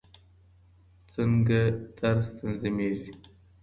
څنګه درس تنظیمېږي؟